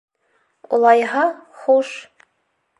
Улайһа, хуш.